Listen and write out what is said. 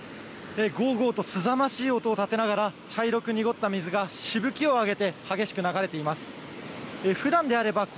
ゴーゴーとすさまじい音を立てながら茶色く濁った水がしぶきを上げて激しく流れています。